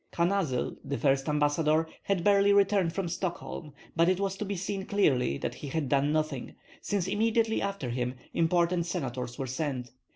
Kanazyl, the first ambassador, had barely returned from Stockholm; but it was to be seen clearly that he had done nothing, since immediately after him important senators were sent.